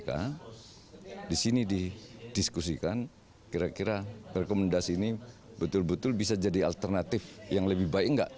karena di sini didiskusikan kira kira rekomendasi ini betul betul bisa jadi alternatif yang lebih baik enggak